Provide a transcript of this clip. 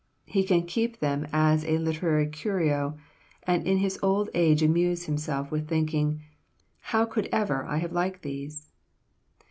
He can keep them as a literary curio, and in his old age amuse himself with thinking, 'How could ever I have liked these?'"